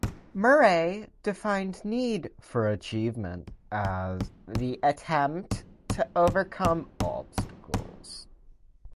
Murray defined need for achievement as the attempt to overcome obstacles.